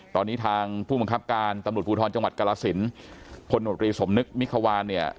ตอนนี้ทางผู้บังคับการตำรวจภูทรจังหวัดกรสินพลโนตรีสมนึกมิควานเนี่ย